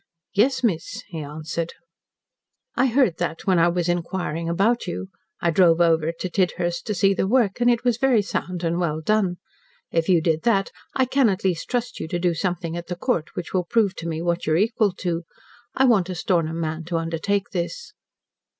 "Yes, miss," he answered. "I heard that when I was inquiring about you. I drove over to Tidhurst to see the work, and it was very sound and well done. If you did that, I can at least trust you to do something at the Court which will prove to me what you are equal to. I want a Stornham man to undertake this."